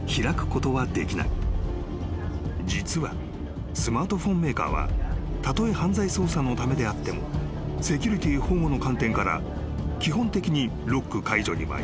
［実はスマートフォンメーカーはたとえ犯罪捜査のためであってもセキュリティー保護の観点から基本的に一切］